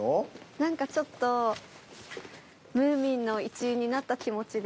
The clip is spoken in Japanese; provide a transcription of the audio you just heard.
なんかちょっと『ムーミン』の一員になった気持ちで。